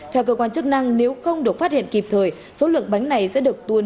theo cơ quan chức năng nếu không được phát hiện kịp thời số lượng bánh này sẽ được tuôn